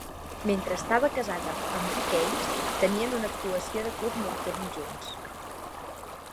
Mentre estava casada amb Dick Haymes, tenien una actuació de club nocturn junts.